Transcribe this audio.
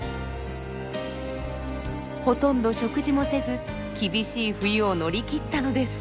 ほとんど食事もせず厳しい冬を乗り切ったのです。